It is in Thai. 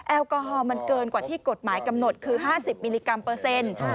แอลกอฮอลมันเกินกว่าที่กฎหมายกำหนดคือ๕๐มิลลิกรัมเปอร์เซ็นต์